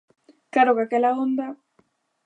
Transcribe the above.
Claro que aquela onda...